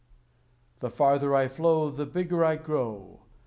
The farther I flow The bigger I grow.